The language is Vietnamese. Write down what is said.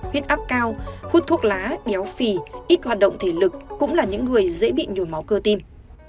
huyết áp cao hút thuốc lá béo phì ít hoạt động thể lực cũng là những người dễ bị nhồi máu cơ tim